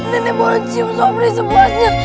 nenek boleh cium sobri semuanya